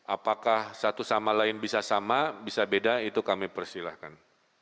apakah satu sama lain bisa sama bisa beda itu kami persilahkan